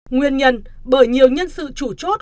nguyên nhân bởi nhiều nhân sự chủ chốt